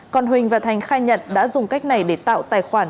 còn huỳnh và thành khai nhận đã dùng cách này để tạo tài khoản